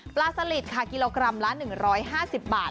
สลิดค่ะกิโลกรัมละ๑๕๐บาท